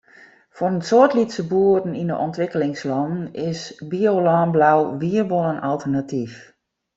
Foar in soad lytse boeren yn de ûntwikkelingslannen is biolânbou wier wol in alternatyf.